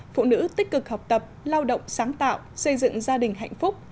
phụ nữ tích cực học tập lao động sáng tạo xây dựng gia đình hạnh phúc